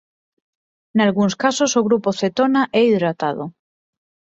Nalgúns casos o grupo cetona é hidratado.